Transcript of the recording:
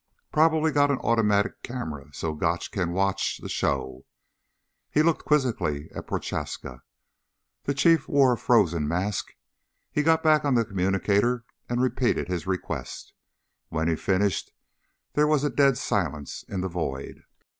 Probably got an automatic camera so Gotch can watch the show. He looked quizzically at Prochaska. The Chief wore a frozen mask. He got back on the communicator and repeated his request. When he finished, there was a dead silence in the void.